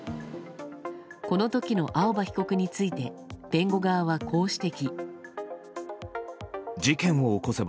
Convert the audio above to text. この時の青葉被告について弁護側はこう指摘。